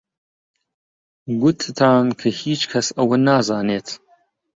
گوتتان کە هیچ کەس ئەوە نازانێت